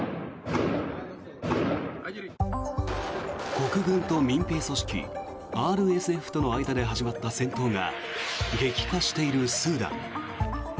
国軍と、民兵組織ＲＳＦ・即応支援部隊との間で始まった戦闘が激化しているスーダン。